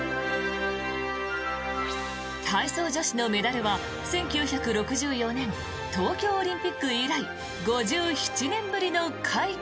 体操女子のメダルは１９６４年東京オリンピック以来５７年ぶりの快挙。